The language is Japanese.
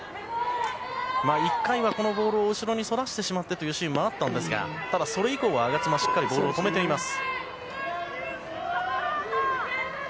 １回は、このボールを後ろにそらしてしまってというシーンもあったんですがそれ以降は我妻、しっかりボールを止めています。